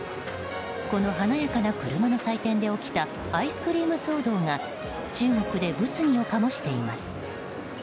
この華やかな車の祭典で起きたアイスクリーム騒動が中国で物議を醸しています。